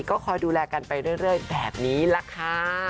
ก็คอยดูแลกันไปเรื่อยแบบนี้แหละค่ะ